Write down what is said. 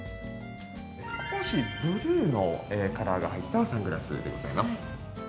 少しブルーのカラーが入ったサングラスでございます。